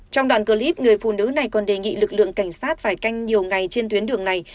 trong đoạn clip người phụ nữ này còn đề nghị lực lượng cảnh sát phải canh nhiều ngày trên tuyến đường này